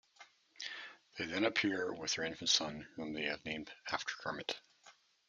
They then appear with their infant son, whom they have named after Kermit.